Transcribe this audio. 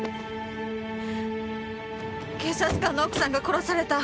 警察官の奥さんが殺された。